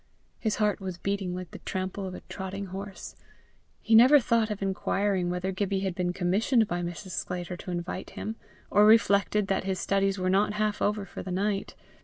His heart was beating like the trample of a trotting horse. He never thought of inquiring whether Gibbie had been commissioned by Mrs. Sclater to invite him, or reflected that his studies were not half over for the night.